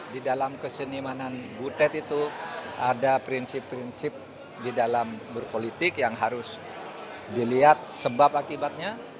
di dalam kesenimanan butet itu ada prinsip prinsip di dalam berpolitik yang harus dilihat sebab akibatnya